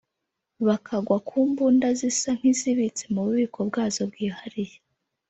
bakagwa ku mbunda zisa nk’izibitse mu bubiko bwazo bwihariye